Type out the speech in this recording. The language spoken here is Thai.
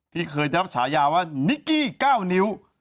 ที่เคยได้รับฉายาว่านิกกี้๙นิ้ว